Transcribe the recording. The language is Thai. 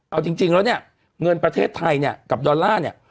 เอาจริงแล้วเนี่ยเงินประเทศไทยเนี่ยกับดอลลาร์เนี่ย